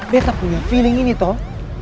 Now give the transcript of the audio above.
desa punya feeling ini toh